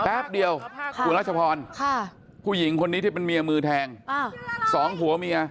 แป๊บเดียวคุณรัชพรผู้หญิงคนนี้ที่เป็นเมียมือแทงสองผัวเมีย